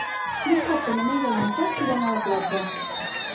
Dissabte na Neida i en Cesc iran a la platja.